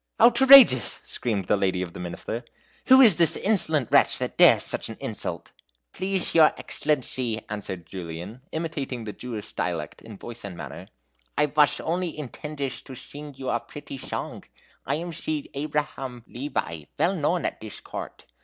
"Outrageous!" screamed the lady of the Minister; "who is the insolent wretch that dares such an insult?" "Pleashe your exshellenshy," answered Julian, imitating the Jewish dialect in voice and manner, "I vash only intendsh to shing you a pretty shong. I am de Shew Abraham Levi, vell known at dish court.